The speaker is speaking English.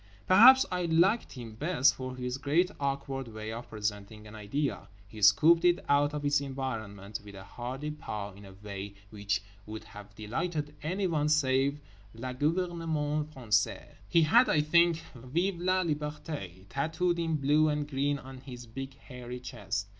Perhaps I liked him best for his great awkward way of presenting an idea—he scooped it out of its environment with a hearty paw in a way which would have delighted anyone save le gouvernement français. He had, I think, VIVE LA LIBERTÉ tattooed in blue and green on his big hairy chest.